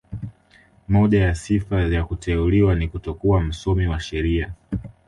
Moja ya sifa ya kuteuliwa ni kutokuwa msomi wa sheria